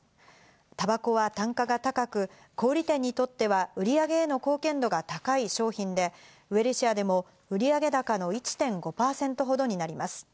たばこは単価が高く、小売店にとっては売り上げへの貢献度が高い商品で、ウエルシアでも売上高の１．５％ほどになります。